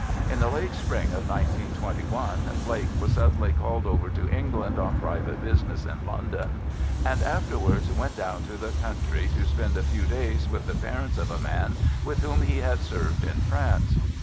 In the late spring of 1921 Blake was suddenly called over to England on private business in London, and afterwards went down to the country to spend a few days with the parents of a man with whom he had served in France.